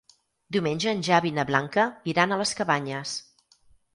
Diumenge en Xavi i na Blanca iran a les Cabanyes.